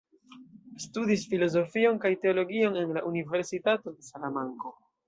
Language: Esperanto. Studis filozofion kaj teologion en la Universitato de Salamanko.